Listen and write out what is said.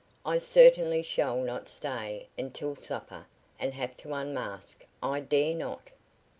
I certainly shall not stay until supper and have to unmask. I dare not."